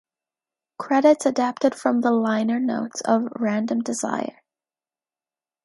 Credits adapted from the liner notes of "Random Desire".